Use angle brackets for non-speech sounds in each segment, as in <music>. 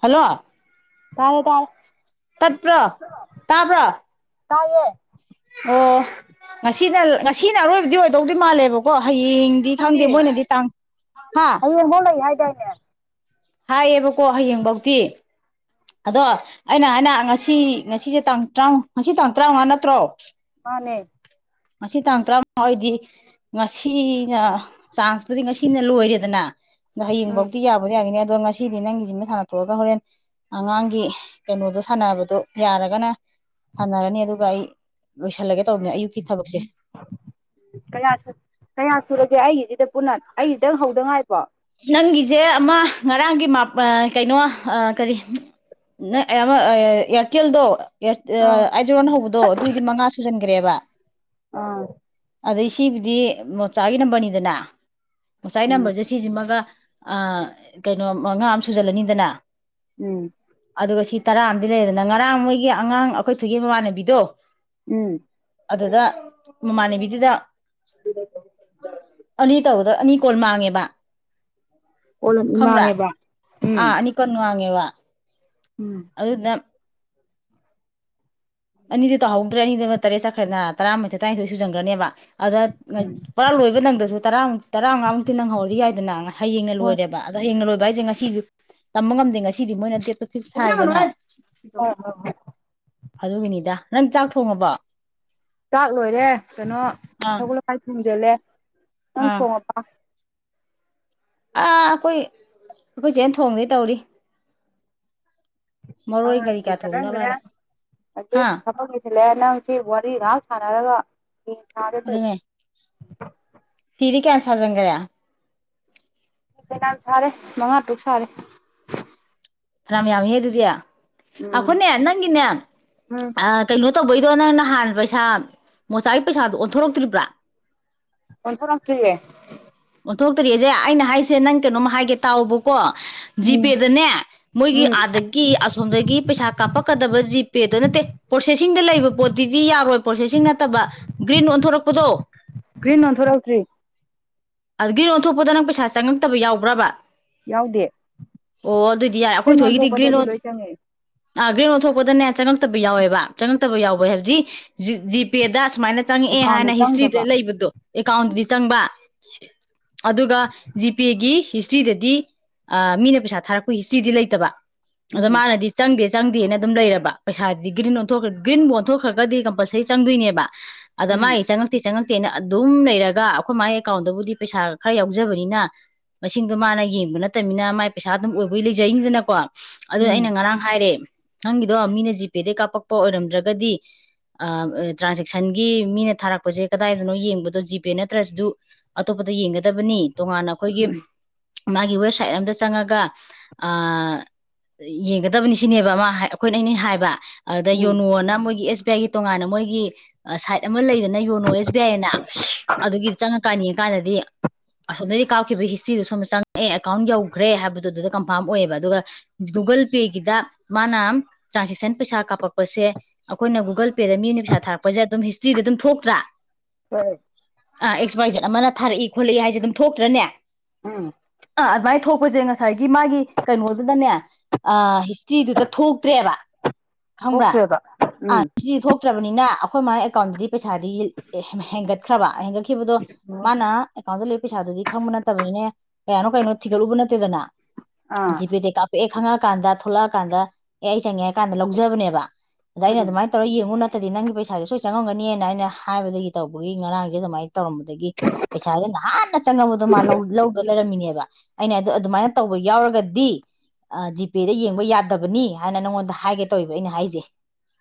Hello ꯇꯥꯔꯦ ꯇꯥꯏꯔꯦ ꯇꯠꯄ꯭ꯔꯣ ꯀꯥꯕ꯭ꯔꯣ ꯇꯥꯏꯌꯦꯦ ꯑꯣ ꯉꯁꯤꯅ ꯉꯁꯤꯅ ꯑꯔꯣꯏꯕꯗꯤ ꯑꯣꯏꯗꯧꯗꯤ ꯃꯥꯜꯂꯦꯕꯀꯣ ꯍꯌꯦꯡ ꯗꯤ ꯈꯪꯗꯦ ꯃꯣꯏꯅꯗꯤ ꯇꯥꯡ ꯍꯥ ꯡꯍꯣꯛ ꯂꯩ ꯍꯥꯏꯗꯏꯅꯦ ꯍꯥꯏꯌꯦꯕꯀꯣ ꯍꯌꯦꯡꯐꯧꯗꯤꯤ ꯑꯗꯣ ꯑꯩꯅ ꯍꯥꯏꯅ ꯉꯁꯤ ꯉꯁꯤꯁꯦ ꯇꯥꯡ ꯇꯔꯥꯉ ꯉꯁꯤ ꯇꯥꯡ ꯇꯔꯥꯃꯉꯥ ꯅꯠꯇ꯭ꯔꯣ ꯃꯥꯅꯦ ꯉꯁꯤ ꯇꯥꯡ ꯇꯔꯥꯃꯉꯥ ꯑꯣꯏꯗꯤ ꯉꯁꯤꯅ ꯆꯥꯟꯁꯄꯨꯗꯤ ꯉꯁꯤꯅ ꯂꯣꯏꯔꯦꯗꯅ ꯑꯗꯣ ꯎꯝ ꯍꯌꯦꯡꯐꯧꯗꯤꯤ ꯌꯥꯕꯗꯤ ꯌꯥꯒꯤꯅꯤ ꯑꯗꯣ ꯉ ꯁꯤꯗꯤ ꯅꯪꯒꯤꯁꯤꯃ ꯁꯥꯟꯅ ꯊꯣꯛꯑꯒ ꯍꯣꯔꯦꯟ ꯑꯉꯥꯡꯒꯤ ꯀꯩꯅꯣꯗꯣ ꯁꯥꯟꯅꯕꯗꯣ ꯌꯥꯔꯒꯅ ꯁꯥꯟꯅꯔꯅꯤ ꯑꯗꯨꯒ ꯑꯩ ꯂꯣꯏꯁꯜꯂꯒꯦ ꯇꯧꯕꯅꯦ ꯑꯌꯨꯛꯀꯤ ꯊꯕꯛꯁꯦ ꯎꯌꯥ ꯀꯌꯥ ꯁꯨꯔꯒꯦ ꯑꯩꯒꯤꯁꯤꯗ ꯄꯨꯟꯅ ꯑꯩꯁꯤꯗꯪ ꯍꯧꯗꯉꯥꯏꯕꯣ ꯅꯪꯒꯤꯁꯦ ꯑꯃ ꯉꯔꯥꯡꯒꯤ ꯀꯩꯅꯣ ꯀꯔꯤ ꯏ ꯌꯥꯝ ꯏꯔꯇꯜꯗꯣ ꯑꯥ ꯑꯥꯏꯖꯔꯣꯟ ꯍꯧꯕꯗꯣ ꯑꯗꯨꯗꯤ ꯃꯉꯥ ꯁꯨꯖꯟꯈ꯭ꯔꯦꯕ ꯑꯥ ꯑꯗꯩ ꯁꯤꯕꯨꯗꯤ ꯃꯣꯆꯥꯒꯤ ꯅꯝꯕꯔꯅꯤꯗꯅ ꯃꯣꯆꯥꯒꯤ ꯎꯝ ꯅꯝꯕꯔꯁꯦ ꯑꯃꯒ ꯀꯩꯅꯣ ꯉ ꯉꯥ ꯑꯃ ꯁꯨꯖꯜꯂꯅꯤꯗꯅ ꯎꯝ ꯑꯗꯨꯒ ꯁꯤ ꯇꯔꯥ ꯑ ꯂꯩꯗꯅ ꯉꯔꯥꯡ ꯃꯣꯏꯒꯤ ꯑꯉꯥꯡ ꯑꯩꯈꯣꯏ ꯊꯨꯒꯤ ꯃꯃꯥꯟꯅꯕꯤꯗꯣ ꯎꯝ ꯑꯗꯨꯗ ꯃꯃꯥꯟꯅꯕꯤꯗꯨꯗ ꯑꯗꯨꯗ ꯑꯅꯤ ꯇꯧꯕꯗ ꯑꯅꯤ ꯀꯣꯜ ꯃꯥꯡꯉꯦꯕ ꯀꯣꯜ ꯑꯃ ꯈꯪ꯭ꯔꯥ ꯃꯥꯡꯉꯦꯕ ꯎꯝ ꯑꯥ ꯑꯅꯤ ꯀꯅꯨꯡ ꯋꯥꯉꯦꯕ ꯎꯝ ꯑꯗꯨ ꯅ ꯑꯅꯤꯗꯤ ꯇꯧꯍꯧꯗ꯭ꯔꯦ ꯑꯅꯤꯗꯨꯅ ꯇꯔꯦꯠ ꯆꯠꯈ꯭ꯔꯦꯅ ꯇꯔꯥꯃꯊꯣꯏ ꯇꯔꯥꯅꯤꯊꯣꯏ ꯁꯨꯖꯟꯈ꯭ꯔꯅꯦꯕ ꯑꯗ ꯄꯔꯥ ꯂꯣꯏꯕ ꯅꯪꯗꯁꯨ ꯇꯔꯥꯃꯨꯛ ꯇꯔꯥꯃꯉꯥꯃꯨꯛꯇ ꯅꯪꯧꯗꯤ ꯌꯥꯏꯗꯅꯪ ꯍꯌꯦꯡꯅ ꯍꯣꯏ ꯂꯣꯏꯔꯦꯕ ꯑꯗꯣ ꯍꯩꯅ ꯂꯣꯏꯕ ꯍꯥꯏꯁꯦ ꯉꯁꯤꯁꯨ ꯇꯝꯕ ꯉꯝꯗꯦ ꯉꯁꯤꯗꯤ ꯃꯣꯏꯅ ꯗꯦ ꯐꯤꯁ ꯊꯥꯏꯗꯅ ꯍꯣꯏ ꯍꯣꯏ ꯍꯣꯏ ꯑꯗꯨꯒꯤꯅꯤꯗ ꯅꯪ ꯆꯥꯛ ꯊꯣꯡꯉꯕꯣ ꯆꯥꯛ ꯂꯣꯏꯔꯦ ꯀꯩꯅꯣ ꯑꯥ ꯁꯒꯨꯜꯀꯥꯏ ꯊꯣꯡꯖꯜꯂꯦ ꯅꯪ ꯑꯥ ꯊꯣꯡꯉꯕ ꯑꯥ ꯑꯩꯈꯣꯏ ꯑꯩꯈꯣꯏ ꯆꯦꯟ ꯊꯣꯡꯗꯤ ꯇꯧꯔꯤ ꯃꯔꯣꯏ ꯀꯔꯤ ꯀꯥ ꯑꯣꯏ ꯆꯔ꯭ꯔꯦ ꯊꯣꯡꯅꯕꯅ ꯍꯥ ꯁꯤꯂꯦ ꯅꯪꯁꯤ ꯋꯥꯔꯤ ꯍꯞ ꯁꯥꯟꯅꯔꯒꯖꯗꯣꯏ ꯐꯤꯔꯤ ꯀꯦꯟꯁꯥ ꯖꯪꯒ꯭ꯔꯌꯥ ꯅꯍꯥꯟ ꯁꯥꯔꯦ ꯃꯉꯥ ꯇꯔꯨꯛ ꯁꯥꯔꯦ ꯐꯔ ꯌꯥꯝꯍꯦ ꯑꯗꯨꯗꯤ ꯎꯝ ꯑꯩꯈꯣꯏꯅꯦ ꯅꯪꯒꯤꯅꯦ ꯎꯝ ꯀꯩꯅꯣ ꯇꯧꯕꯩꯗꯣ ꯅꯪ ꯅ ꯍꯥꯟꯅ ꯄꯩꯁꯥ ꯃꯣꯆꯥꯒꯤ ꯄꯩꯁꯥꯗꯣ ꯑꯣꯟꯊꯣꯔꯛꯇ꯭ꯔꯤꯕ꯭ꯔꯥ ꯀꯣꯟꯁ ꯂꯥꯁ꯭ꯔꯤꯦ ꯑꯣꯟꯊꯣꯛꯇꯔꯤꯁꯦ ꯑꯩꯅ ꯍꯥꯏꯁꯦ ꯅꯪ ꯀꯩꯅꯣꯝꯃ ꯍꯥꯏꯒꯦ ꯇꯥꯎꯕꯀꯣ ꯎꯝ ꯖꯤꯄꯦꯗꯅꯦ ꯃꯣꯏꯒꯤ ꯎꯝ ꯑꯥꯗꯒꯤ ꯑꯁꯣꯝꯗꯒꯤ ꯄꯩꯁꯥ ꯀꯥꯞꯄꯛꯀꯗꯕ ꯖꯤꯄꯦꯗ ꯅꯠꯇꯦ ꯄ꯭ꯔꯣꯁꯦꯁꯤꯡꯗ ꯂꯩꯕ ꯄꯣꯠꯇꯨꯗꯤ ꯌꯥꯔꯣꯏ ꯄ꯭ꯔꯣꯁꯦꯁꯤꯡ ꯅꯠꯇꯕ ꯒ꯭ꯔꯤꯟ ꯑꯣꯟꯊꯣꯔꯛꯄꯗꯣ ꯒ꯭ꯔꯤꯟ ꯑꯣꯟꯊꯣꯔꯛꯇ꯭ꯔꯤ ꯑꯗ ꯒ꯭ꯔꯤꯟ ꯑꯣꯟꯊꯣꯛꯄꯗ ꯅꯪ ꯄꯩꯁꯥ ꯆꯪꯉꯛꯇꯕ ꯌꯥꯎꯕ꯭ꯔꯥꯕ ꯌꯥꯎꯗꯦ ꯑꯣ ꯑꯗꯣꯏꯗꯤ ꯌꯥꯔꯦ ꯑꯩꯈꯣꯏ ꯒ꯭ꯔꯤꯟ ꯊꯣꯏꯒꯤꯗꯤ ꯒ꯭ꯔꯤꯟ ꯑꯣꯟꯊꯣꯛꯄꯗꯗꯤ ꯑꯣꯟ ꯂꯣꯏ ꯆꯪꯉꯦ ꯑꯥ ꯒ꯭ꯔꯤꯟ ꯑꯣꯟꯊꯣꯛꯄꯗꯅꯦ ꯆꯪꯉꯛꯇꯕ ꯌꯥꯎꯋꯦꯕ ꯆꯪꯉꯛꯇꯕ ꯌꯥꯎꯕꯩ ꯍꯥꯏꯕꯗꯤ ꯖꯤ ꯖꯤꯄꯦꯗ ꯁꯨꯃꯥꯏꯅ ꯆꯪꯉꯛꯑꯦ ꯑꯦꯀꯥꯎꯟꯗ ꯍꯥꯏꯅ ꯍꯤꯁꯇ꯭ꯔꯤꯗ ꯆꯪꯗꯕ ꯂꯩꯕꯗꯣ ꯑꯦꯀꯥꯎꯟꯗꯗꯤ ꯆꯪꯕ ꯑꯗꯨꯒ ꯖꯤꯄꯦꯒꯤ ꯍꯤꯁꯇ꯭ꯔꯤꯗꯗꯤ ꯑ ꯃꯤꯅ ꯄꯩꯁꯥ ꯊꯥꯔꯛꯄꯩ ꯍꯤꯁꯇ꯭ꯔꯤꯗꯤ ꯂꯩꯇꯦ ꯠꯇꯕ ꯑꯗ ꯎꯝ ꯃꯥꯅꯗꯤ ꯆꯪꯗꯦ ꯆꯪꯗꯦꯅ ꯑꯗꯨꯝ ꯂꯩꯔꯕ ꯄꯩꯁꯥꯁꯤꯗꯤ ꯒ꯭ꯔꯤꯟ ꯑꯣꯟꯊꯣꯛꯈ꯭ꯔ ꯒ꯭ꯔꯤꯟꯕꯨ ꯑꯣꯟꯊꯣꯛꯈ꯭ꯔꯒꯗꯤ ꯀꯝꯄꯜꯁꯔꯤ ꯆꯪꯗꯣꯏꯅꯦꯕ ꯑꯗ ꯃꯥ ꯎꯝ ꯆꯪꯉꯛ ꯆꯪꯛꯇꯦ ꯆꯪꯉꯛꯇꯦꯅ ꯑꯗꯨꯝ ꯂꯩꯔꯒ ꯑꯩꯈꯣꯏ ꯃꯥꯏ ꯑꯦꯀꯥꯎꯟꯗꯕꯨꯗꯤ ꯄꯩꯁꯥ ꯈꯔ ꯌꯥꯎꯖꯕꯅꯤꯅ ꯃꯁꯤꯡꯗꯣ ꯃꯥꯅ ꯌꯦꯡꯕ ꯅꯠꯇꯕꯅꯤꯅ ꯃꯥꯏ ꯄꯩꯁꯥ ꯑꯗꯨꯝ ꯑꯣꯏꯕꯒꯤ ꯂꯩꯖꯩꯗꯅ ꯀꯣ ꯑꯗꯨ ꯎꯝ ꯑꯩꯅ ꯉꯔꯥꯡ ꯍꯥꯏꯔꯦ ꯅꯪꯒꯤꯗꯣ ꯃꯤꯅ ꯖꯤꯄꯦꯗꯒꯤꯩ ꯀꯥꯞꯄꯛꯄ ꯑꯣꯏꯔꯝꯗ꯭ꯔꯒꯗꯤ ꯇ꯭ꯔꯥꯟꯖꯦꯛꯁꯟꯒꯤ ꯃꯤꯅ ꯊꯥꯔꯛꯄꯁꯦ ꯀꯗꯥꯏꯗꯅꯣ ꯌꯦꯡꯕꯗꯣ ꯖꯤꯄꯦ ꯅꯠꯇ꯭ꯔꯁꯨ ꯑꯇꯣꯞꯄꯗ ꯌꯦꯡꯒꯗꯕꯅꯤ ꯇꯣꯉꯥꯟꯅ ꯑꯩꯈꯣꯏꯒꯤ ꯎꯝ ꯃꯥꯒꯤ ꯋꯦꯕꯁꯥꯏꯠ ꯑꯝꯗ ꯆꯪꯉꯒ ꯌꯦꯡꯒꯗꯕꯅꯤ ꯁꯤꯅꯦꯕ ꯑꯃ ꯑꯩꯈꯣꯏꯅ ꯑꯩꯅꯩꯅ ꯍꯥꯏꯕ ꯑꯗꯨꯗ ꯎꯝ ꯌꯣꯅꯣꯅ ꯃꯣꯏꯒꯤ ꯑꯦꯁ ꯕꯤ ꯑꯥꯏꯒꯤ ꯇꯣꯉꯥꯟꯅ ꯃꯣꯏꯒꯤ ꯁꯥꯏꯠ ꯑꯃ ꯂꯩꯗꯅ ꯌꯣꯟꯅꯣ ꯑꯦꯁ ꯕꯤ ꯑꯥꯏꯅ ꯑꯗꯨꯒꯤꯗꯤ ꯆꯪꯉꯛꯀꯥꯟꯅꯤꯡ ꯀꯥꯟꯗꯗꯤ ꯑꯁꯣꯝꯗꯗꯤ ꯀꯥꯞꯈꯤꯕ ꯍꯤꯁꯇ꯭ꯔꯤꯗꯨꯣ ꯁꯣꯝꯗ ꯆꯪꯉꯛꯑꯦ ꯑꯦꯀꯥꯎꯟ ꯌꯧꯈ꯭ꯔꯦ ꯍꯥꯏꯕꯗꯨꯗ ꯀꯟꯐꯥꯔꯝ ꯑꯣꯏꯌꯦꯕ ꯑꯗꯨꯒ ꯒꯨꯒꯜ ꯄꯦꯒꯤꯗ ꯃꯥꯅ ꯇ꯭ꯔꯥꯟꯁꯦꯛꯁꯟ ꯄꯩꯁꯥ ꯀꯥꯞꯄꯛꯄꯁꯦ ꯑꯩꯈꯣꯏꯅ ꯒꯨꯒꯜ ꯄꯦꯗ ꯃꯤꯅ ꯄꯩꯁꯥ ꯊꯥꯔꯛꯄꯁꯦ ꯑꯗꯨꯝ ꯍꯤꯁꯇ꯭ꯔꯤꯗ ꯑꯗꯨꯝ ꯊꯣꯛꯇ꯭ꯔꯥ ꯍꯣꯏ ꯑꯥ ꯑꯦꯛꯁ ꯋꯥꯏ ꯖꯠ ꯑꯃꯅ ꯊꯥꯔꯛꯏ ꯈꯣꯠꯂꯛꯏ ꯍꯥꯏꯁꯦ ꯑꯗꯨꯝ ꯊꯣꯛꯇ꯭ꯔꯅꯦ ꯎꯝ ꯑꯥ ꯑꯗꯨꯃꯥꯏ ꯊꯣꯛꯄꯁꯦ ꯉꯁꯥꯏꯒꯤ ꯃꯥꯒꯤ ꯀꯩꯅꯣꯗꯨꯗꯅꯦ ꯑ ꯍꯤꯁꯇ꯭ꯔꯤꯗꯨꯗ ꯊꯣꯛꯇ꯭ꯔꯦꯕ ꯈꯪꯕ꯭ꯔꯥ ꯊꯣꯛꯇ꯭ꯔꯦꯕ ꯑꯥ ꯎꯝ ꯍꯤꯁꯇ꯭ꯔꯤ ꯊꯣꯛꯇ ꯆꯠꯇ꯭ꯔꯕꯅꯤꯅ ꯑꯩꯈꯣꯏ ꯃꯥꯒꯤ ꯑꯦꯀꯥꯎꯟꯗꯗꯤ ꯄꯩꯁꯥꯗꯤ ꯍꯦꯝꯍꯦꯟꯒꯠꯈ꯭ꯔꯕ ꯍꯦꯟꯒꯠꯈꯤꯕꯗꯣ ꯑꯣ ꯃꯥꯅ ꯑꯦꯀꯥꯎꯟꯗ ꯂꯩꯕ ꯄꯩꯁꯥꯗꯨꯗꯤ ꯈꯪꯕ ꯅꯠꯇꯕꯅꯤꯅꯦ ꯀꯌꯥꯅꯣ ꯀꯩꯅꯣ ꯊꯤꯒꯠꯂꯨꯕ ꯅꯠꯇꯦꯗꯅ ꯑꯥ ꯖꯤꯄꯦꯗ ꯀꯥꯞ ꯄꯣꯛꯑꯦ ꯈꯪꯉꯛꯑꯀꯥꯟꯗ ꯊꯣꯛꯂꯛꯑꯀꯥꯟꯗ ꯑꯦ ꯑꯩ ꯆꯪꯉꯦ ꯍꯥꯏ ꯀꯥꯟꯗ ꯂꯧꯖꯕꯅꯦꯕ ꯑꯗ ꯑꯩꯅ ꯎꯝ ꯑꯗꯨꯃꯥꯏꯅ ꯇꯧꯔ ꯌꯦꯡꯉꯨ ꯅꯠꯇꯗꯤ ꯅꯪꯒꯤ ꯄꯩꯁꯥꯁꯦ ꯁꯣꯏ ꯆꯪꯉꯝꯒꯅꯤꯅ ꯑꯩꯅ ꯍꯥꯏꯕꯗꯒꯤ ꯇꯧꯕꯒꯤ ꯉꯔꯥꯡꯁꯦ ꯑꯗꯨꯃꯥꯏꯅ ꯇꯧꯔꯝꯕꯗꯒꯤ ꯄꯩꯁꯥꯁꯦ ꯅꯍꯥꯟꯅ ꯆꯪꯉꯕꯗꯣ ꯃꯥ ꯂꯩ ꯂꯧꯗ ꯂꯩꯔꯝꯃꯤꯅꯦꯕ ꯑꯩꯅ ꯑꯗꯣ ꯑꯗꯨꯃꯥꯏꯅ ꯇꯧꯕ ꯌꯥꯎꯔꯒꯗꯤ ꯑ ꯖꯤꯄꯦꯗ ꯌꯦꯡꯕ ꯌꯥꯗꯕꯅꯤ ꯍꯥꯏꯅ ꯅꯪꯉꯣꯟꯗ ꯍꯥꯏꯒꯦ ꯇꯧꯋꯦꯕ ꯑꯩꯅ ꯍꯥꯏꯁꯦ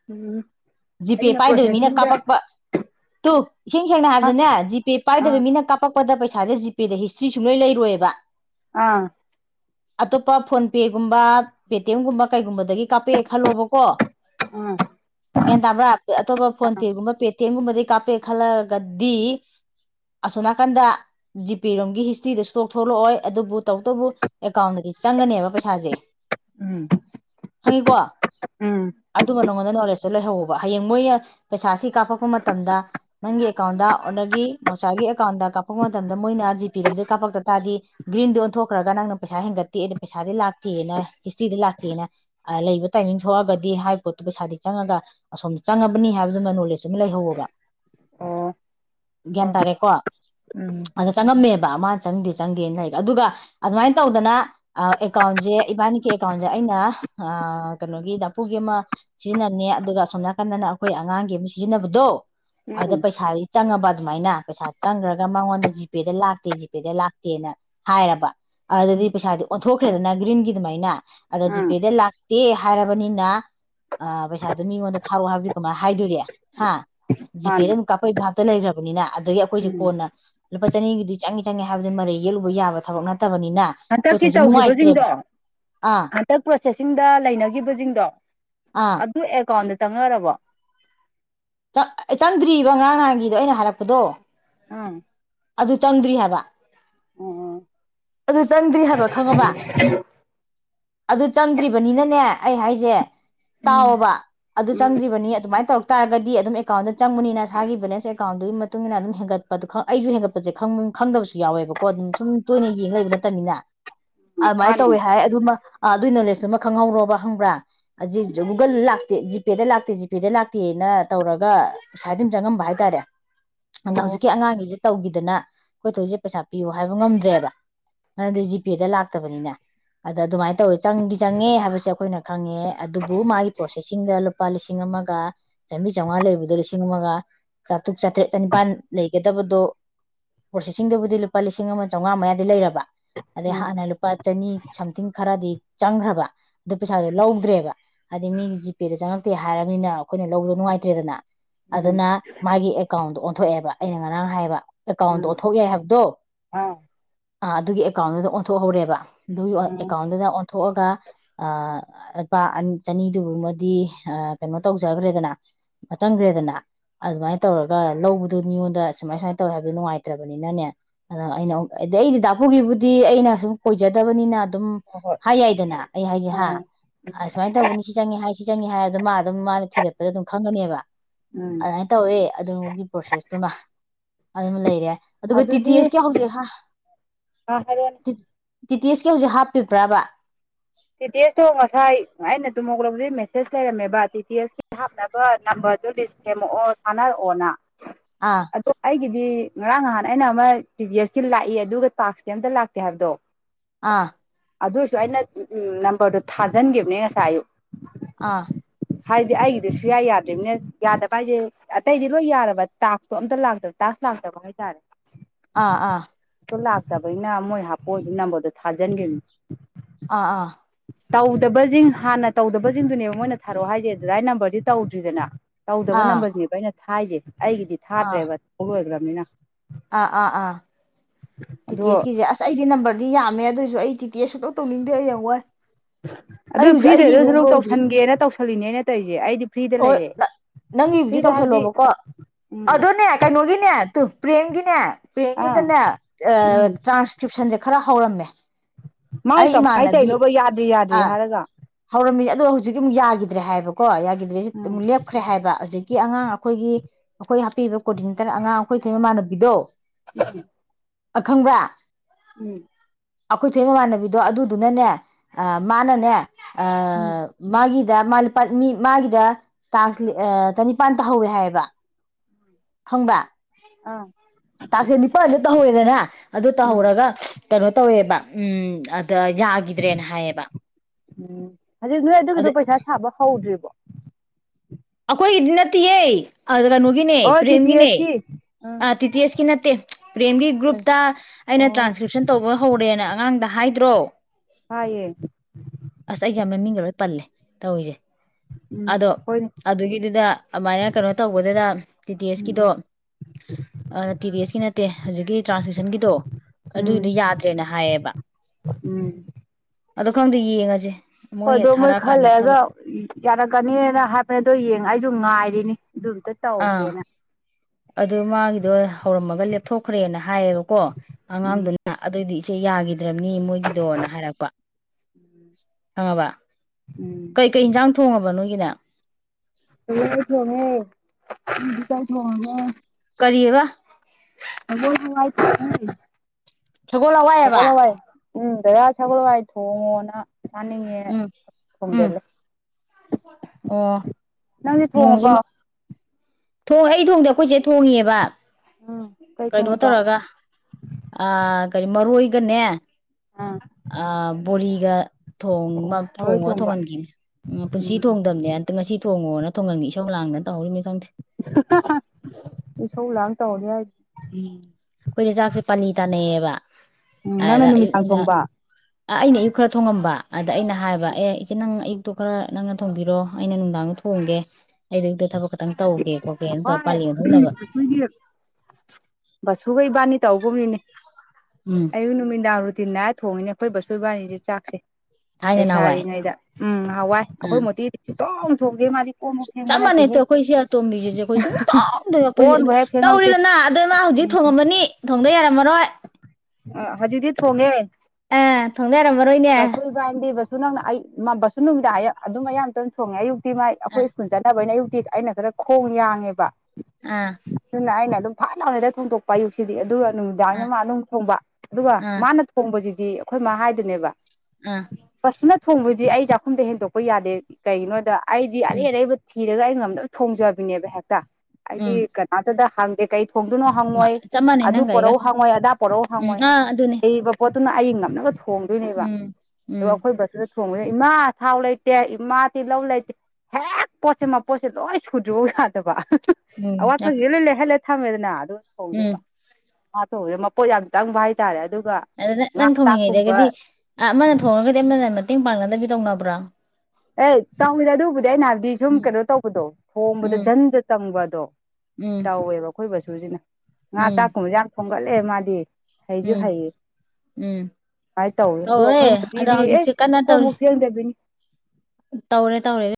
ꯎꯝ ꯖꯤꯄꯦ ꯑꯩꯅ ꯄꯥꯏꯗꯕ ꯃꯤꯅ ꯄ꯭ꯔꯣꯁꯦꯁꯤꯡꯗ ꯀꯥꯞꯄꯛꯄ ꯇꯨ ꯏꯁꯦꯡ ꯁꯦꯡꯅ ꯑ ꯑꯥ ꯍꯥꯏꯕꯗꯅꯦ ꯖꯤꯄꯦ ꯄꯥꯏꯗꯕ ꯑꯥ ꯃꯤꯅ ꯀꯞ ꯀꯛꯄꯗ ꯄꯩꯁꯥꯁꯦ ꯖꯤꯄꯦꯗ ꯍꯤꯁꯇ꯭ꯔꯤ ꯁꯨꯡ ꯂꯩ ꯂꯩꯔꯣꯏꯕ ꯑꯥ ꯑꯇꯣꯞꯄ ꯐꯣꯟ ꯄꯦꯒꯨꯝꯕ ꯄꯦꯇꯤꯑꯦꯝꯒꯨꯝꯕ ꯀꯩꯒꯨꯝꯕꯗꯒꯤ ꯀꯥꯞꯄꯛꯑꯦ ꯈꯜꯂꯣꯕꯀꯣ ꯎꯝ ꯒ꯭ꯌꯥꯟ ꯇꯥꯕ꯭ꯔꯥ ꯑꯇꯣꯞꯄ ꯐꯣꯟ ꯄꯦꯒꯨꯝꯕ ꯄꯦꯇꯤꯑꯦꯝꯒꯨꯝꯕꯗꯩ ꯀꯥꯞꯄꯛꯑꯦ ꯈꯜꯂꯛꯑꯒꯗꯤ ꯑꯁꯣ ꯅꯥꯀꯟꯗ ꯖꯤꯄꯦ ꯔꯣꯝꯒꯤ ꯍꯤꯁꯇ꯭ꯔꯤꯗ ꯁꯨꯊꯣꯛ ꯊꯣꯛꯂꯛꯑꯣꯏ ꯑꯗꯨꯕꯨ ꯇꯧꯕꯇꯕꯨ ꯑꯦꯀꯥꯎꯟꯗꯗꯤ ꯆꯪꯒꯅꯦꯕ ꯁꯥꯖꯦ ꯎꯝ ꯍꯪꯉꯤꯀꯣ ꯎꯝ ꯑꯇꯣꯝꯕ ꯅꯪꯉꯣꯟꯗ ꯅꯣꯂꯦꯖ ꯆ ꯂꯩꯍꯧꯕ ꯍꯌꯦꯡ ꯃꯣꯏꯅ ꯄꯩꯁꯥꯁꯤ ꯀꯥꯞꯄꯛꯄ ꯃꯇꯝꯗ ꯅꯪꯒꯤ ꯑꯦꯀꯥꯎꯟꯗ ꯑꯣꯗꯒꯤ ꯃꯣꯆꯥꯒꯤ ꯑꯦꯀꯥꯎꯟꯗ ꯀꯥꯞꯄꯛꯄ ꯃꯇꯝꯗ ꯃꯣꯏꯅ ꯖꯤ ꯄꯤ ꯔꯣꯝꯗꯩ ꯀꯥꯞꯄꯛꯇ ꯇꯥꯔꯗꯤ ꯒ꯭ꯔꯤꯟꯗ ꯑꯣꯟꯊꯣꯛꯈ꯭ꯔꯒ ꯅꯪꯅ ꯄꯩꯁꯥ ꯍꯦꯟꯒꯠꯇꯦ ꯑꯗꯨꯅ ꯄꯩꯁꯥꯗꯤ ꯂꯥꯛꯇꯦꯅ ꯍꯤꯁꯇ꯭ꯔꯤꯗ ꯂꯥꯛꯇꯦꯅ ꯂꯩꯕ ꯇꯥꯏꯃꯤꯡ ꯊꯣꯛꯑꯒꯗꯤ ꯍꯥꯏꯔꯤꯕ ꯄꯣꯠꯇꯣ ꯄꯩꯁꯥꯗꯤ ꯆꯪꯉꯒ ꯑꯁꯣꯝꯗ ꯆꯪꯉꯕꯅꯤ ꯍꯥꯏꯕꯗꯨꯃ ꯅꯣꯂꯦꯖ ꯑꯃ ꯂꯩꯍꯧꯕ ꯑꯣ ꯒ꯭ꯌꯥꯟ ꯍꯣꯏ ꯇꯥꯔꯦꯀꯣ ꯎꯝ ꯑꯗ ꯆꯪꯉꯝꯃꯦꯕ ꯆ ꯆꯦ ꯑꯗꯨꯒ ꯑꯗꯨꯃꯥꯏꯅ ꯇꯧꯗꯅ ꯖꯦ ꯏꯕꯥꯅꯤꯀꯤ ꯑꯦꯀꯥꯎꯟꯁꯦ ꯑꯩꯅ ꯀꯩꯅꯣꯒꯤ ꯗꯥꯄꯨꯒꯤ ꯑꯃ ꯁꯤꯖꯤꯟꯅꯅꯤ ꯑꯗꯨꯒ ꯁꯣꯝ ꯅꯥꯀꯟꯗꯅ ꯑꯈꯣꯏ ꯑꯉꯥꯡꯒꯤ ꯑꯃ ꯁꯤꯖꯤꯟꯅꯕꯗꯣ ꯑꯗ ꯎꯝ ꯄꯩꯁꯥ ꯆꯪꯉꯕ ꯑꯗꯨꯃꯥꯏꯅ ꯄꯩꯁꯥ ꯆꯪꯈ꯭ꯔꯒ ꯃꯉꯣꯟꯗ ꯖꯤꯄꯦꯗ ꯂꯥꯛꯇꯦ ꯖꯤꯄꯦꯗ ꯂꯥꯛꯇꯦꯅ ꯍꯥꯏꯔꯕ ꯑꯗꯨꯗꯗꯤ ꯎꯝ ꯄꯩꯁꯥꯗꯤ ꯑꯣꯟꯊꯣꯛꯈ꯭ꯔꯦꯗꯅ ꯒ꯭ꯔꯤꯟꯒꯤ ꯗꯨꯃꯥꯏꯅ ꯑꯗ ꯎꯝ ꯖꯤꯄꯦꯗ ꯂꯥꯛ ꯗꯦ ꯍꯥꯏꯔꯕꯅꯤꯅ ꯄꯩꯁꯥꯗꯨꯣ ꯃꯤꯉꯣꯟꯗ ꯊꯥꯔꯛꯑꯣ ꯍꯥꯏꯕꯕꯁꯤ ꯀꯃꯥꯏꯅ ꯍꯥꯏꯗꯣꯏꯔꯤꯦ ꯍꯥ ꯃꯥꯅꯤ ꯖꯤꯄꯦꯗ ꯑꯗꯨꯝ ꯀꯥꯞꯄ ꯚꯥꯞꯇ ꯂꯩꯈ꯭ꯔꯕꯅꯤꯅ ꯑꯗꯒꯤ ꯑꯩꯈꯣꯏꯁꯦ ꯎꯝ ꯀꯣꯟꯅ ꯂꯨꯄꯥ ꯆꯅꯤꯒꯤꯗꯤ ꯆꯪꯏ ꯆꯪꯏ ꯍꯥꯏꯕꯗꯤ ꯃꯔꯩ ꯌꯦꯛꯂꯨꯕ ꯌꯥꯕ ꯊꯕꯛ ꯅꯠꯇꯕꯅꯤꯅ ꯑꯩꯈꯣꯏ ꯍꯟꯗꯛꯀꯤ ꯊꯣꯏꯁꯦ ꯇꯧꯈꯤꯕꯁꯤꯡꯗꯣ ꯅꯨꯡꯉꯥꯏꯇ꯭ꯔꯦꯕ ꯑꯥ꯫ ꯍꯟꯗꯛ ꯄ꯭ꯔꯣꯁꯦꯁꯤꯡꯗ ꯂꯩꯅꯈꯤꯕꯁꯤꯡꯗꯣ ꯑꯥ ꯑꯗꯨ ꯑꯦꯀꯥꯎꯟꯗ ꯆꯪꯉꯔꯕꯣ ꯑꯦ ꯆꯪꯗ꯭ꯔꯤꯕ ꯉꯔꯥꯡ ꯉꯍꯥꯡꯒꯤꯗꯣ ꯑꯩꯅ ꯍꯥꯏꯔꯛꯄꯗꯣ ꯑꯥ ꯑꯗꯨ ꯆꯪꯗ꯭ꯔꯤ ꯍꯥꯏꯕ꯫ ꯑꯣ ꯎꯝ ꯑꯗꯨ ꯆꯪꯗ꯭ꯔꯤ ꯍꯥꯏꯕ ꯈꯪꯉꯕ ꯑꯗꯨ ꯆꯪꯗ꯭ꯔꯤꯕꯅꯤꯅꯅꯦ ꯑꯩ ꯍꯥꯏꯁꯦ ꯇꯥꯎꯕ ꯑꯗꯨ ꯎꯝ ꯆꯪꯗ꯭ꯔꯤꯕꯅꯤ ꯑꯗꯨꯃꯥꯏꯅ ꯇꯧꯔꯛ ꯍꯥꯏ ꯇꯥꯔꯒꯗꯤ ꯑꯗꯨꯝ ꯑꯦꯀꯥꯎꯟꯗ ꯆꯪꯕꯅꯤꯅ ꯏꯁꯥꯒꯤ ꯕꯦꯂꯦꯟꯁ ꯑꯦꯀꯥꯎꯗꯨꯒꯤ ꯃꯇꯨꯡ ꯏꯟꯅ ꯑꯗꯨꯝ ꯍꯦꯟꯒꯠꯄꯗꯨ ꯈ ꯑꯩꯁꯨ ꯍꯦꯟꯒꯠꯄ ꯠꯄꯁꯦ ꯈꯪꯗꯕꯁꯨ ꯌꯥꯎꯋꯦꯕꯀꯣ ꯑꯗꯨꯝ ꯁꯨꯝ ꯇꯣꯏꯅ ꯌꯦꯡ ꯂꯩꯕ ꯅꯠꯇꯕꯅꯤꯅ ꯑꯗꯨꯃꯥꯏꯅ ꯃꯥꯅꯤ ꯇꯧꯋꯦ ꯍꯥꯏ ꯗꯨꯃ ꯑ ꯑꯗꯨꯏ ꯅꯣꯂꯦꯖꯇꯨꯃ ꯈꯪꯍꯧꯔꯣꯕ ꯈꯪꯕ꯭ꯔꯥ ꯒꯨꯒꯜ ꯂꯥꯛꯇꯦ ꯖꯤꯄꯦꯗ ꯂꯥꯛꯇꯦ ꯖꯤꯄꯦꯗ ꯂꯥꯛꯇꯦꯅ ꯇꯧꯔꯒ ꯁꯥꯏꯗꯝ ꯆꯪꯉꯝꯕ ꯍꯥꯏꯇꯥꯔꯦ ꯑꯗ ꯑꯣ ꯍꯧꯖꯤꯛꯀꯤ ꯑꯉꯥꯡꯒꯤꯖꯦ ꯇꯧꯒꯤꯗꯅ ꯈꯣꯏ ꯊꯣꯏꯁꯦ ꯄꯩꯁꯥ ꯄꯤꯌꯨ ꯍꯥꯏꯕ ꯉꯝꯗ꯭ꯔꯦꯕ꯫ ꯅꯪ ꯑꯗꯨ ꯖꯤꯄꯦꯗ ꯂꯥꯛꯇꯕꯅꯤꯅꯦ ꯑꯗ ꯑꯗꯨꯃꯥꯏꯅ ꯇꯧꯋꯦ ꯆꯪꯗꯤ ꯆꯪꯉꯦ ꯍꯥꯏꯕꯁꯦ ꯑꯈꯣꯏꯅ ꯈꯪꯉꯦ ꯑꯗꯨꯕꯨ ꯃꯥꯒꯤ ꯄ꯭ꯔꯣꯁ ꯁꯤꯡꯗ ꯂꯨꯄꯥ ꯂꯤꯁꯤꯡ ꯑꯃꯒ ꯆꯥꯝꯔꯤ ꯆꯥꯝꯉꯥ ꯂꯩꯕꯗ ꯂꯤꯁꯤꯡ ꯑꯃꯒ ꯆꯥꯇ꯭ꯔꯨꯛ ꯆꯥꯇ꯭ꯔꯦꯠ ꯆꯅꯤꯄꯥꯟ ꯂꯩꯒꯗꯕꯗꯣ ꯄ꯭ꯔꯣꯁꯦꯁꯤꯡꯗꯕꯨꯗꯤ ꯂꯨꯄꯥ ꯂꯤꯁꯤꯡ ꯑꯃ ꯆꯥꯝꯃꯉꯥ ꯃꯌꯥ ꯂꯩꯔꯕ ꯑꯗꯩ ꯎꯝ ꯍꯥꯟꯅ ꯂꯨꯄꯥ ꯆꯅꯤ ꯁꯝꯊꯤꯡ ꯈꯔꯗꯤ ꯆꯪꯈ꯭ꯔꯕ ꯑꯗꯨ ꯄꯩꯁꯥꯗꯣ ꯂꯧꯗ꯭ꯔꯦꯕ ꯍꯥꯏꯗꯤ ꯃꯤꯒꯤ ꯖꯤꯄꯦꯗ ꯆꯪꯉꯛꯇꯦ ꯍꯥꯏꯔꯕꯅꯤꯅ ꯑꯩꯈꯣꯏꯅ ꯂꯧꯕꯗꯣ ꯅꯨꯡꯉꯥꯏꯇ꯭ꯔꯦꯗꯅ ꯑꯗꯨꯅ ꯃꯥꯒꯤ ꯑꯦꯀꯥꯎꯟꯗꯣ ꯑꯣꯟꯊꯣꯛꯑꯦꯕ ꯑꯩꯅ ꯉꯔꯥꯡ ꯍꯥꯏꯕ ꯑꯦꯀꯥꯎꯟꯗꯣ ꯎꯝ ꯑꯣꯟꯊꯣꯛ ꯌꯥꯏ ꯍꯥꯏꯕꯗꯣ꯫ ꯑꯥ꯫ ꯑ ꯑꯗꯨꯒꯤ ꯑꯦꯀꯥꯎꯟꯗꯨꯗ ꯑꯣꯟꯊꯣꯛꯍꯧꯔꯦꯕ ꯑꯗꯨꯒꯤ ꯎꯝ ꯑꯦꯀꯥꯎꯟꯗꯨꯗ ꯑꯣꯟꯊꯣꯛꯑꯒ ꯑ ꯂꯨꯄꯥ ꯑꯟ ꯆꯅꯤꯗꯨꯃꯗꯤ ꯑ ꯀꯩꯅꯣ ꯇꯧꯖꯈ꯭ꯔꯦꯗꯅ ꯃꯇꯝꯪꯈ꯭ꯔꯦꯗꯅ ꯑꯗꯨꯃꯥꯏꯅ ꯇꯧꯔꯒ ꯂꯧꯕꯗꯨ ꯃꯤꯉꯣꯟꯗ ꯁꯨꯃꯥꯏ ꯁꯨꯃꯥꯏꯅ ꯇꯧꯋꯦ ꯍꯥꯏꯕꯗꯨꯣ ꯅꯨꯡꯉꯥꯏꯇ꯭ꯔꯕꯅꯤꯅꯅꯦ ꯑꯗ ꯑꯩꯅ ꯑꯩꯗꯤ ꯗꯥꯄꯨꯒꯤꯕꯨꯗꯤ ꯑꯩꯅ ꯁꯨꯝ ꯀꯣꯏꯖꯗꯕꯅꯤꯅ ꯑꯗꯨꯝ ꯍꯣꯏ ꯍꯣꯏ ꯍꯥꯏ ꯌꯥꯏꯗꯅ ꯑꯩ ꯍꯥꯏꯖꯦ ꯍꯥ ꯑꯥ ꯁꯨꯃꯥꯏ ꯇꯧꯕꯅꯤ ꯁꯤ ꯁꯤ ꯆꯪꯉ ꯍꯥꯏ ꯁꯤ ꯆꯪꯉꯤ ꯍꯥꯏꯕꯗꯣ ꯃꯥ ꯑꯗꯨꯝ ꯃꯥꯅ ꯊꯤꯒꯠꯄꯗ ꯑꯗꯨꯝ ꯈꯪꯉꯅꯦꯕ ꯎꯝ ꯑꯗꯨꯃꯥꯏꯅ ꯇꯧꯋꯦ ꯑꯗꯨꯒꯤ ꯄ꯭ꯔꯣꯁꯦꯁꯇꯨꯅ ꯑꯗꯨꯝ ꯂꯩꯔꯦ ꯑꯗꯨꯒ ꯇꯤ ꯇꯤ ꯑꯦꯁ ꯀ ꯍꯧꯖꯤꯛ ꯍꯥ ꯑ ꯍꯥꯏꯔꯣꯅꯦ꯫ ꯇꯤꯇꯦꯤꯁꯀꯤ ꯍꯧꯖꯤꯛ ꯍꯥꯞꯄꯤꯕ꯭ꯔꯕ ꯇꯤ ꯇꯤ ꯑꯦꯁꯇꯣ ꯉꯁꯥꯏ ꯑꯩꯅ ꯇꯨꯝꯃꯛꯣꯛꯂꯕꯗꯤ ꯃꯦꯁꯦꯖ ꯂꯩꯔꯝꯃꯦꯕ ꯇꯤ ꯇꯤ ꯑꯦꯁ ꯀ ꯍꯥꯞꯅꯕ ꯕꯠ ꯅꯝꯕꯔꯗꯣ ꯂꯤꯁ ꯁꯦꯝꯃꯛꯑꯣ ꯊꯥꯅꯔꯛꯑꯣꯅ ꯑꯥ ꯑꯗꯣ ꯑꯩꯒꯤꯗꯤ ꯉꯔꯥꯡ ꯉꯍꯥꯟ ꯑꯩꯅ ꯑꯃ ꯇꯤ ꯇꯤ ꯑꯦꯁꯀꯤ ꯂꯥꯛꯏ ꯑꯗꯨꯒ ꯇꯥꯛꯁꯇꯤ ꯑꯝꯇ ꯂꯥꯛꯇꯦ ꯍꯥꯏꯕꯗꯣ ꯑꯥ ꯑꯗꯨꯏꯁꯨ ꯑꯩꯅ ꯎꯎꯝ ꯅꯝꯕꯔꯗꯣ ꯊꯥꯖꯤꯟꯒꯤꯕꯅꯦ ꯉꯁꯥꯏ ꯑꯌꯨꯛ ꯑꯥ ꯍꯥꯏꯗꯤ ꯑꯩꯒꯤꯗꯤ ꯁꯨꯡꯌꯥ ꯌꯥꯗ꯭ꯔꯤꯝꯅꯤ ꯌꯥꯗꯕ ꯍꯥꯏꯁꯦ ꯑꯇꯩꯗꯤ ꯂꯣꯏ ꯌꯥꯔꯕ ꯇꯥꯛꯇꯣ ꯑꯝꯇ ꯂꯥꯛꯇꯕ ꯇꯥꯛꯥꯁ ꯂꯥꯛꯇꯕ ꯍꯥꯏꯇꯥꯔꯦ ꯑꯥ ꯑꯥ ꯣ ꯂꯥꯛꯇꯕꯅꯤꯅ ꯃꯣꯏ ꯍꯥꯄꯑꯣꯗ ꯅꯝꯕꯔꯗꯣ ꯊꯥꯖꯤꯟꯈꯤꯕꯅꯦ ꯑꯥ ꯑꯥ ꯇꯧꯗꯕꯖꯤꯡ ꯍꯥꯟꯅ ꯇꯧꯗꯕꯖꯤꯡꯗꯨꯅꯦꯕ ꯃꯣꯏꯅ ꯊꯥꯔꯣ ꯍꯥꯏꯖꯦ ꯗꯗꯥꯏ ꯅꯝꯕꯔꯗꯤ ꯇꯧꯗ꯭ꯔꯤꯗꯅ ꯑꯥ ꯇꯧꯗꯕ ꯑꯥ ꯅꯝꯕꯁꯤꯅꯦꯕ ꯑꯩꯅ ꯊꯥꯏꯁꯦ ꯑꯩꯒꯤꯗꯤ ꯑꯥ ꯊꯥꯗ꯭ꯔꯦꯕ ꯇꯧ ꯂꯣꯏꯈ꯭ꯔꯕꯅꯤꯅ ꯑꯥ ꯑꯥ ꯑꯥ ꯇꯤ ꯇꯤ ꯑꯗꯣ ꯑꯦꯁꯀꯤꯖꯦ ꯑꯁ ꯑꯩꯗꯤ ꯅꯝꯕꯔꯗꯤ ꯌꯥꯝꯃꯦ ꯑꯗꯨꯑꯣꯏꯖꯨ ꯑꯩ ꯇꯤ ꯇꯤ ꯑꯦꯁ ꯁꯨꯇꯧ ꯑꯩ ꯑꯗꯨ ꯍꯧꯖꯤꯛ ꯐ꯭ꯔꯤ ꯂꯩꯗꯧ ꯑꯩꯒꯤꯐꯥꯎ ꯁꯔꯨꯛ ꯂꯣꯏꯗ꯭ꯔꯤ ꯇꯧꯁꯟꯒꯦꯅ ꯇꯧꯁꯜꯂꯤꯅꯦ ꯑꯩꯅ ꯇꯧꯏꯁꯦ ꯑꯩꯗꯤ ꯐ꯭ꯔꯤꯗ ꯍ ꯂꯩꯔꯦ ꯅꯪꯒꯤꯕꯨꯗꯤ ꯐ꯭ꯔꯤꯗ ꯍꯥꯏꯕꯗꯤ ꯇꯧꯁꯜꯂꯣꯕꯀꯣ ꯎꯝ ꯑꯗꯣꯅꯦ ꯀꯩꯅꯣꯒꯤꯅꯦ ꯄ꯭ꯔꯦꯝꯒꯤꯅꯦ ꯑꯥ ꯎꯝ ꯄ꯭ꯔꯦꯝꯒꯤꯗꯅꯦꯥꯟ ꯇꯨꯁꯟꯁꯦ ꯈꯔ ꯍꯧꯔꯝꯃꯦ ꯃꯥꯥꯏ ꯑꯩ ꯀꯃꯥꯏꯅ ꯏꯃꯥꯟꯅꯕꯤ ꯇꯧꯔꯤꯅꯣꯕ ꯌꯥꯗ꯭ꯔꯤ ꯌꯥꯗ꯭ꯔꯤ ꯑꯥ ꯍꯥꯏꯔꯒ ꯍꯧꯔꯝꯃꯤ ꯑꯗꯣ ꯍꯧꯖꯤꯛ ꯑꯃꯨꯛ ꯌꯥꯒꯤꯗ꯭ꯔꯦ ꯍꯥꯏꯕꯀꯣ ꯌꯥꯒꯤꯗ꯭ꯔꯤꯖꯤ ꯎꯝ ꯑꯃꯨꯛ ꯂꯦꯞꯈ꯭ꯔꯦ ꯍꯥꯏꯕ ꯍꯧꯖꯤꯛꯀꯤ ꯑꯉꯥꯡ ꯑꯝ ꯑꯩꯈꯣꯏꯒꯤ ꯑꯩꯈꯣꯏ ꯍꯥꯞꯄꯤꯕ ꯀꯣꯑꯣꯗꯤꯅꯦꯇꯔ ꯑꯉꯥꯡ ꯑꯩꯈꯣꯏ ꯊꯩꯕꯃꯥꯟꯅꯕꯤꯗꯣ ꯎꯝ ꯑ ꯈꯪꯕ꯭ꯔꯥ ꯎꯝ ꯑꯩꯈꯣꯏ ꯊꯣꯏ ꯃꯃꯥꯟꯅꯕꯤꯗꯣ ꯑꯗꯨꯗꯨꯅꯅꯦ ꯃꯥꯅꯅꯦ ꯑ ꯎꯝ ꯃꯥꯒꯤꯗ ꯃꯥꯄꯥ ꯃꯤ ꯃꯥꯒꯤꯗ ꯇꯥꯡ ꯆꯅꯤꯄꯥꯟ ꯇꯥꯍꯧꯋꯦ ꯍꯥꯏꯌꯦꯕ ꯈꯪꯕ ꯑꯥ ꯇꯥꯛꯁꯦ ꯅꯤꯄꯥꯟꯗ ꯇꯍꯧꯋꯦꯗꯅ ꯑꯗꯨ ꯎꯝ ꯇꯧꯍꯧꯔꯒ ꯀꯩꯅꯣ ꯇꯧꯋꯦꯕ ꯎꯝ ꯑꯗ ꯌꯥꯈꯤꯗ꯭ꯔꯦꯅ ꯍꯥꯏꯌꯦꯕ ꯎꯝ ꯍꯧꯖꯤꯛ ꯅꯣꯏ ꯑꯗ ꯑꯗꯨꯒꯤꯗꯣ ꯄꯩꯁꯥ ꯁꯥꯕ ꯍꯧꯗ꯭ꯔꯤꯕꯣ ꯑꯈꯣꯏꯒꯤꯗꯤ ꯅꯠꯇꯦꯌꯦ ꯑ ꯀꯩꯅꯣꯒꯤꯅꯦ ꯑꯣ ꯇꯤ ꯇꯤ ꯄ꯭ꯔꯦꯝꯒꯤꯅꯦ ꯑꯦꯁꯀꯤ ꯎꯝ ꯇꯤ ꯇꯤ ꯑꯦꯁ ꯀꯤ ꯅꯠꯇꯦ ꯄ꯭ꯔꯦꯝꯒꯤ ꯒ꯭ꯔꯨꯞꯇ ꯑꯩꯅ ꯑꯣ ꯇ꯭ꯔꯥꯟꯁꯀ꯭ꯔꯤꯞꯁꯟ ꯇꯧꯕ ꯍꯧꯔꯦꯅ ꯑꯉꯥꯡꯗ ꯍꯥꯏꯗ꯭ꯔꯣ ꯍꯌꯦ ꯑꯁ ꯑꯩꯁ ꯌꯥꯝ ꯃꯃꯤꯡꯒ ꯂꯣꯏ ꯄꯜꯂꯦ ꯇꯧꯔꯤꯖꯦ ꯎꯝ ꯍꯣꯏꯅꯤ ꯑꯗꯨꯒꯤꯗꯨꯗ ꯑꯗꯨꯃꯥꯏꯅ ꯀꯩꯅꯣ ꯇꯧꯕꯗꯨꯗ ꯇꯤꯇꯤ ꯑꯦꯁꯀꯤꯗꯣ ꯎꯝ ꯑ ꯇꯤ ꯗꯤ ꯑꯦꯁꯀꯤ ꯅꯠꯇꯦ ꯍꯧꯖꯤꯛꯀꯤ ꯇ꯭ꯔꯥꯟꯁꯁꯤꯁꯟꯒꯤꯗꯣ ꯎꯝ ꯑꯗꯨꯏꯗꯤꯣ ꯌꯥꯗ꯭ꯔꯦꯅ ꯍꯥꯏꯌꯦꯕ ꯎꯝ ꯑꯗꯣ ꯈꯪꯗꯦ ꯌꯦꯡꯉꯁꯦ ꯃꯣꯏ ꯍꯣꯏꯗꯣ ꯃꫭꯏ ꯊꯥꯔꯛꯑꯀꯥꯟꯗ ꯈꯔꯂꯩꯔꯒ ꯊꯕꯛ ꯌꯥꯔꯛꯀꯅꯤꯅ ꯍꯥꯏꯕꯅꯦ ꯑꯗꯣ ꯌꯦꯡꯉ ꯑꯩꯁꯨ ꯉꯥꯏꯔꯤꯅꯤ ꯑꯗꯨ ꯑꯝꯇ ꯑꯥ ꯇꯧꯒꯦꯅ ꯑꯗꯨ ꯃꯥꯒꯤꯗꯣ ꯍꯧꯔꯝꯃꯒ ꯂꯦꯞꯊꯣꯛꯈ꯭ꯔꯦꯅ ꯍꯥꯏꯌꯦꯕꯀꯣ ꯎꯝ ꯑꯉꯥꯡꯗꯨꯅ ꯑꯗꯨꯑꯣꯏꯗꯤ ꯏꯆꯦ ꯌꯥꯈꯤꯗ꯭ꯔꯕꯅꯤ ꯃꯣꯏꯒꯤꯗꯣꯅ ꯍꯥꯏꯔꯛꯄ ꯈꯪꯉꯕ ꯎꯝ ꯀꯩꯀꯩ ꯌꯦꯟꯁꯥꯡ ꯊꯣꯡꯉꯕ ꯅꯣꯏꯒꯤꯅ ꯐꯖꯅ ꯊꯣꯡꯉꯦ ꯃꯤꯗꯤ ꯏꯀꯥꯢ ꯊꯣꯡꯉꯒ ꯀꯔꯤꯌꯦꯕ ꯁꯒꯣꯜ ꯍꯋꯥꯢ ꯊꯣꯡꯉꯦ ꯁꯒꯣꯜ ꯁꯒꯣꯜ ꯍꯋꯥꯏꯑꯕ ꯍꯋꯥꯢ ꯎꯝ ꯗꯗꯥ ꯁꯒꫭꯜ ꯍꯋꯥꯏ ꯊꯣꯡꯉꯣꯅ ꯆꯥꯅꯤꯡꯉꯦ ꯎꯝ ꯎꯝ ꯊꯣꯡꯖꯤꯜꯂꯦ ꯑꯣ ꯅꯪꯗꯤ ꯅꯣꯡꯁꯨ ꯊꯣꯡꯉꯕꫭ ꯊꯣꯡ ꯑꯩ ꯊꯣꯡꯗꯧ ꯑꯈꯣꯏ ꯆꯦ ꯊꯣꯡꯉꯤꯕ ꯎꯝ ꯀꯩ ꯀꯩꯅꯣ ꯊꯣꯡꯉꯤꯕ ꯇꯧꯔꯒ ꯑ ꯀꯔꯤ ꯃꯔꯣꯏꯒꯅꯦ ꯑꯥ ꯑ ꯣꯔꯤꯒ ꯊꯣꯡ ꯑꯣ ꯃꯔꯣꯏ ꯊꯣꯡꯉꯒ ꯊꯣꯡꯕ ꯊꯣꯡꯍꯟꯈꯤꯅꯤ ꯄꯨꯟꯁꯤꯒꯤ ꯎꯝ ꯊꯣꯡꯗꯕꯅꯦ ꯑ ꯉꯁꯤ ꯊꯣꯡꯉꯣꯅ ꯊꯣꯡꯒꯪꯅꯤ ꯏꯁꯧ ꯂꯥꯡꯅ ꯇꯧꯍꯧꯔꯤ ꯃꯤ ꯈꯪꯗ‌ꯦ ꯍ ꯍ ꯍ ꯢꯁꯧ ꯂꯥꯡ ꯇꯧꯅꯤꯉꯥꯢ ꯎꯝ ꯑꯈꯣꯏꯁꯦ ꯆꯥꯛꯁꯦ ꯄꯥꯂꯤ ꯇꯥꯅꯩꯌꯦꯕ ꯎꯝ ꯅꯪꯅ ꯑꯗꯨꯗ ꯑꯌꯨꯛ ꯅꯨꯃꯤꯗꯥꯡ ꯅꯨꯗꯥꯡ ꯊꯣꯡꯕ ꯑ ꯑꯩꯅ ꯑꯌꯨꯛ ꯈꯔ ꯊꯣꯡꯉꯝꯕ ꯑꯗ ꯑꯩꯅ ꯍꯥꯏꯕ ꯑꯦ ꯏꯆꯦ ꯅꯪ ꯑꯌꯨꯛ ꯇꯨꯣ ꯈꯔ ꯅꯪꯅ ꯊꯣꯡꯕꯤꯔꯣ ꯑꯩꯅ ꯅꯨꯡꯗꯥꯡꯗ ꯊꯣꯡꯒꯦ ꯑꯩꯗꯗ ꯊꯕꯛ ꯈꯤꯇꯪ ꯇꯧꯒꯦ ꯈꯣꯠꯀꯦꯅ ꯇꯧꯔ ꯄꯥꯜꯂꯤ ꯑꯗꯕ <unintelligible> ꯕꯥꯁꯨꯒ ꯏꯕꯥꯅꯤ ꯇꯧꯒꯨꯝꯅꯤꯅꯦ ꯎꯝ ꯑꯌꯨꯛ ꯅꯨꯃꯤꯗꯥꯡ ꯔꯨꯇꯤꯟ ꯅꯥꯏꯔꯒ ꯊꯣꯡꯉꯤꯅꯦ ꯑꯈꯣꯏ ꯕꯁꯨ ꯢꯕꯥꯅꯤꯒꯤꯁꯦ ꯆꯥꯛꯁꯦ ꯊꯥꯏꯅ ꯅꯍꯥꯟꯋꯥꯏ ꯂꯩꯩꯁꯥꯔꯤꯉꯩꯗ ꯎꯝ ꯉꯥꯍꯥꯟꯋꯥꯏ ꯑꯩꯈꯣꯏ ꯎꯝ ꯃꯣꯇꯤꯗꯤ ꯁꯨꯛꯊꫭꯡ ꯊꯣꯡꯗꯦ ꯃꯥꯗꯤ ꯀꯣꯟꯕꯨ ꯐꯦꯡꯕ ꯆꯞ ꯃꯥꯅꯩ ꯇꯨ ꯅꯠꯇꯦꯍꯦ ꯑꯩꯈꯣꯏꯁꯤ ꯇꯣꯝꯕꯤꯁꯤꯁꯦ ꯑꯩꯈꯣꯏ ꯁꯨꯡꯇꯥꯎꯊ ꯀꯣꯟꯕꯨ ꯍꯦꯛ ꯐꯦꯡꯉꯛꯇꯦ ꯇꯧꯔꯦꯗꯅ ꯑꯗꯣ ꯃꯥ ꯍꯧꯖꯤꯛ ꯊꯣꯡꯉꯝꯃꯅꯤ ꯊꯣꯡꯗ ꯌꯥꯔꯝꯃꯔꯣꯏ ꯑ ꯍꯧꯖꯤꯗꯤ ꯊ ꯍꯣꯡꯉꯦ ꯑ‌ꯦ ꯊꯣꯡꯖꯥꯔꯝꯃꯔꯣꯏꯅꯦ ꯀꯗꯤ ꯕꯁꯨ ꯅꯪꯅ ꯑꯩ ꯕꯥꯁꯨ ꯅꯨꯃꯤꯗꯥ ꯍꯥꯏ ꯑꯗꯨꯝ ꯑꯌꯥꯝꯇꯪ ꯁꯣꯡꯉꯦ ꯑꯨꯛ ꯇꯤ ꯃꯥꯏ ꯑꯥ ꯑꯈꯣꯏ ꯁ꯭ꯀꯨꯜ ꯆꯠꯅꯕꯩꯅ ꯑꯌꯨꯛꯇꯤ ꯑꯩꯅ ꯈꯔ ꯈꯣꯡ ꯌꯥꯡꯉꯦꯕ ꯑꯥ ꯑꯗꯨꯅ ꯑꯩꯅ ꯑꯗꯨꯝ ꯐꯅꯕꯩꯗ ꯊꯣꯡꯗꯣꯛꯄ ꯑꯌꯨꯛꯁꯤꯗꯤ ꯑꯗꯨꯒ ꯅꯨꯃꯤꯗꯥꯡꯗ ꯃꯥ ꯑꯗꯨꯝ ꯊꯣꯡꯕ ꯑꯗꯨꯒ ꯑꯥ ꯃꯥꯅ ꯊꯣꯡꯕꯁꯤꯗꯤ ꯑꯩꯈꯣꯏ ꯃꯥ ꯍꯥꯏꯗꫭꯅꯦꯕ ꯎꯝ ꯄꯁꯨꯅ ꯊꯣꯡꯕꯗꯤ ꯑꯩ ꯆꯥꯛꯈꯨꯝꯗ ꯍꯦꯟꯗꯣꯛꯄ ꯌꯥꯗꯦ ꯀꯩꯒꯤꯅꯣꯗ ꯑꯩꯗꯤ ꯎꯝ ꯑꯔꯩ ꯑꯔꯩꯕ ꯊꯤꯔꯒ ꯑꯩ ꯉꯝꯅꯕ ꯊꯣꯡꯖꯕꯤꯅꯦꯕ ꯍꯦꯛꯇ ꯑꯩꯗꯤ ꯎꯝ ꯀꯅꯥꯝꯇꯗ ꯍꯪꯗꯦ ꯀꯩ ꯈꯣꯡꯗꯨꯅ ꯍꯪꯉꯣꯏ ꯆꯞ ꯃꯥꯟꯅꯩ ꯑꯗꯨ ꯅꯪꯒ ꯑꯩꯒ ꯄꯣꯔꯛꯎ ꯍꯪꯉꯣꯏ ꯑꯗꯥ ꯄꯣꯔꯛꯎ ꯎꯝ ꯍꯪꯉꯣꯏ ꯑꯥ ꯑꯗꯨꯅꯦ ꯑ ꯍꯣꯢ ꯑꯗꯨꯅ ꯑꯩ ꯉꯝꯅꯕ ꯊꯣꯡꯗꯣꯏꯅꯦꯕ ꯎꯝ ꯑꯣ ꯎꯝ ꯑꯩꯈꯣꯏ ꯕꯁꯗ ꯊꯣꯡꯕꯅꯤ ꯏꯃꯥ ꯑ ꯊꯥꯎ ꯂꯩꯇꯦ ꯏꯃꯥ ꯇꯤꯜꯍꯧ ꯂꯩꯇꯦ ꯍꯦꯛ ꯄꯣꯠꯁꯦ ꯃꯄꯣꯠꯁꯦ ꯂꯣꯏ ꯁꯨꯗꯔꯤꯕꯧ ꯌꯥꯗꯕ ꯎꯝ ꯑꯋꯥꯠꯄꯁꯤꯡ ꯂꯣꯏ ꯂꯩꯍꯜꯂꯦ ꯊꯝꯃꯦꯗꯅ ꯑꯗꯨ ꯎꯝ ꯊꫭꯡꯗꯣꯏꯕ ꯃꯥ ꯇꯧꯕꯖ ꯃꯄꯣꯠ ꯌꯥꯝ ꯆꯪꯕ ꯍꯥꯏꯇꯥꯔꯦ ꯑꯗꯨꯒ ꯑꯗꯨ ꯅ ꯉꯥ ꯅꯪ ꯆꯥꯛꯀꯨꯝꯕ ꯊꯣꯡꯉꯉꯩꯗꯒꯗꯤ ꯑ ꯑꯃꯅ ꯊꯣꯡꯉꯒꯗꯤ ꯑꯃꯅ ꯃꯇꯦꯡ ꯄꯥꯡꯅꯗꯕꯤ ꯇꯧꯅꯕ꯭ꯔꯣ ꯑꯦ ꯆꯪꯉꯗ ꯑꯗꯨꯕꯨꯗꯤ ꯑ ꯅꯍꯕꯗꯤ ꯁꯨꯝ ꯎꯝ ꯀꯩꯅꯣ ꯇꯧꯕꯗꯣ ꯍꯣꯡꯕꯗ ꯎꯝ ꯖꯟꯗ ꯆꯪꯕ ꯑꯗꯣ ꯎꯝ ꯇꯧꯋꯦꯕ ꯑꯈꯣꯏꯕꯁꯨꯁꯤꯅ ꯉꯥ ꯎꯝ ꯆꯥꯛꯀꯨꯝꯕꯁꯦ ꯌꯥꯝ ꯊꯣꯡꯒꯜꯂꯦ ꯃꯥꯗꯤ ꯍꯥꯏꯁꯨ ꯎꯝ ꯍꯥꯏꯌꯦ ꯎꯝ ꯁꯨꯃꯥꯏꯅ ꯇꯧꯋꯤ ꯑꯗꯨ ꯇꯧꯋꯦ ꯑꯩꯈꯣꯏ ꯑꯗꯣ ꯃꯨꯛꯇꯤꯗꯤ ꯑꯦ ꯍꯧꯖꯤꯛꯁꯦ ꯀꯟꯅ ꯇꯧꯔꯤ ꯀꯣꯃꯨꯛ ꯐꯦꯡꯗꯕꯤꯅꯤ ꯇꯧꯔꯦ ꯇꯧꯔꯦ